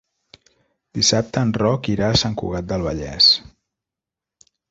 Dissabte en Roc irà a Sant Cugat del Vallès.